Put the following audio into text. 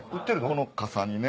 この笠にね